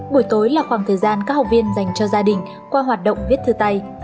buổi tối là khoảng thời gian các học viên dành cho gia đình qua hoạt động viết thư tay